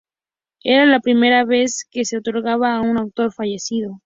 Era la primera vez que se otorgaba a un autor fallecido.